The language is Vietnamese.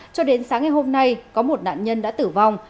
cho đến sáng ngày hôm nay có một nạn nhân đã tử vong